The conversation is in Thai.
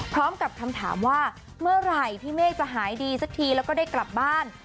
พร้อมกับคำถามว่าเมื่อไหร่พี่เมฆจะหายดีสักทีแล้วก็ได้กลับบ้าน